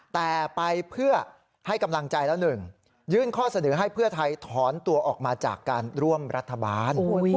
แต่ไปเพื่อให้กำลังใจแล้วหนึ่งยื่นข้อเสนอให้เพื่อไทยถอนตัวออกมาจากการร่วมรัฐบาล